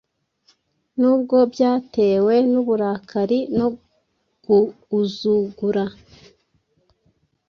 Nubwo byatewe nuburakari no guuzugura,